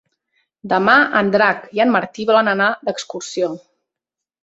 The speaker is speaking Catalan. Demà en Drac i en Martí volen anar d'excursió.